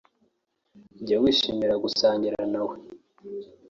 Jya wishimira gusangira na we